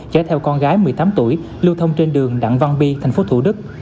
chạy theo con gái một mươi tám tuổi lưu thông trên đường đặng văn bi thành phố thủ đức